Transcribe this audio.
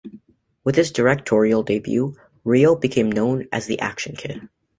With his directorial debut, Ryoo became known as the Action Kid.